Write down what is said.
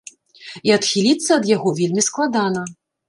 І адхіліцца ад яго вельмі складана.